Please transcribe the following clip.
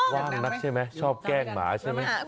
ว่างนักใช่ไหมชอบแกล้งหมาใช่ไหม